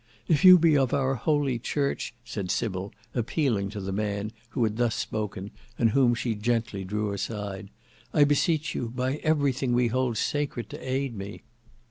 "If you be of our holy church," said Sybil appealing to the man who had thus spoken and whom she gently drew aside, "I beseech you, by everything we hold sacred, to aid me."